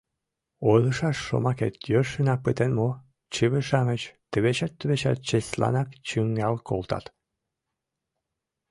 Ойлышаш шомакет йӧршынак пытен мо? — чыве-шамыч тывечат-тувечат чеслынак чӱҥгал колтат.